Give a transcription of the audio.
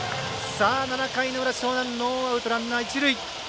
７回の裏、樟南ノーアウト、ランナー、一塁。